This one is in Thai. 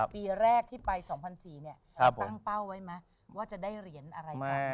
ปีแรกที่ไป๒๔๐๐เนี่ยตั้งเป้าไว้ไหมว่าจะได้เหรียญอะไรกัน